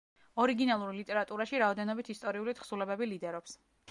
ორიგინალურ ლიტერატურაში რაოდენობით ისტორიული თხზულებები ლიდერობს.